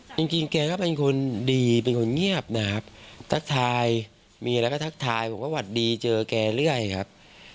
จริงแกก็เป็นคนดีเป็นคนเงียบนะครับทักทายมีอะไรก็ทักทายบอกว่าหวัดดีเจอแกเรื่อยครับ